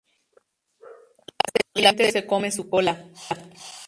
La serpiente se come su cola.